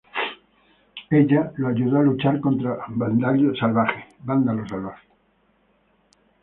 Ella lo ayudó a luchar contra Vándalo Salvaje.